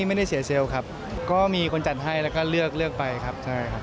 ไม่ได้เสียเซลล์ครับก็มีคนจัดให้แล้วก็เลือกไปครับ